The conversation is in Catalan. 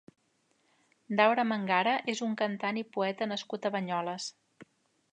Daura Mangara és un cantant i poeta nascut a Banyoles.